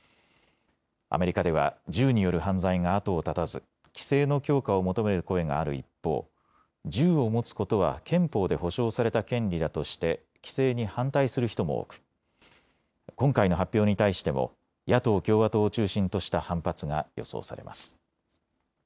アメリカでは銃による犯罪が後を絶たず規制の強化を求める声がある一方、銃を持つことは憲法で保障された権利だとして規制に反対する人も多く、今回の発表に対しても野党共和党を中心とした反発が予想されます。